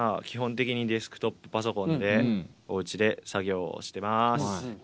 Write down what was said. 基本的にデスクトップパソコンでおうちで作業をしてます。